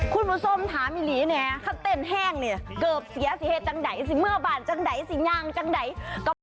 คุณผู้ชมถามอิหลีเนี่ยถ้าเต้นแห้งเนี่ยเกือบเสียหายจังไหนสิเมื่อบาดจังไหนสิง่างจังไหน